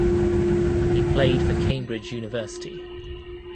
He played for Cambridge University.